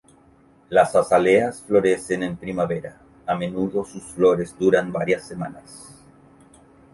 Las azaleas florecen en primavera, a menudo sus flores duran varias semanas.